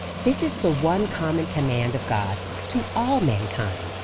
This is the one common command of God to all mankind.